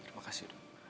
terima kasih dokter